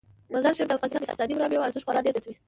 مزارشریف د افغانستان د اقتصادي منابعو ارزښت خورا ډیر زیاتوي.